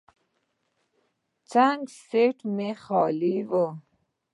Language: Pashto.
څنګ ته مې سیټ خالي و.